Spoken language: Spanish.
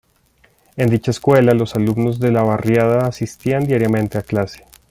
En dicha escuela los alumnos de la barriada asistían diariamente a clase.